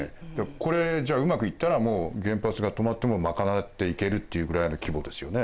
これじゃあうまくいったらもう原発が止まっても賄っていけるっていうぐらいの規模ですよね？